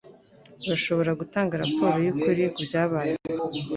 Urashobora gutanga raporo yukuri kubyabaye?